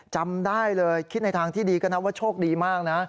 จำได้เลยคิดในทางที่ดีก็นับว่าโชคดีมากนะ